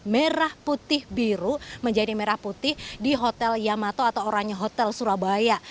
merah putih biru menjadi merah putih di hotel yamato atau oranye hotel surabaya